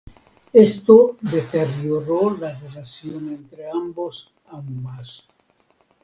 Esto deterioró la relación entre ambos aún más.